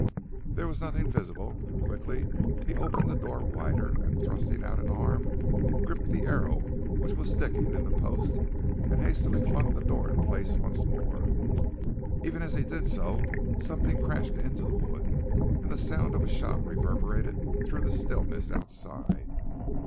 There was nothing visible, and quickly he opened the door wider and thrusting out an arm, gripped the arrow which was sticking in the post, and hastily flung the door in place once more. Even as he did so, something crashed into the wood, and the sound of a shot reverberated through the stillness outside.